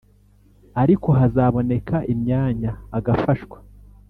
ariko hazaboneka imyanya agafashwa